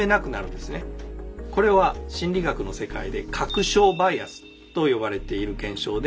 これは心理学の世界で「確証バイアス」と呼ばれている現象で。